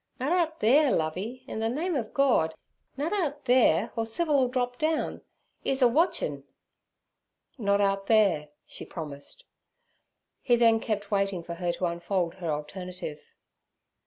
'Nut out theere, Lovey. In the name ov Gord, nut out theere, or Civil 'll drop down;' 'e's a watchin'.' 'Not out there' she promised. He then kept waiting for her to unfold her alternative.